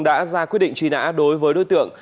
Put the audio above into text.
đã ra quyết định truy nã đối với đối tượng